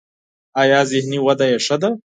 ایا ذهني وده یې ښه ده؟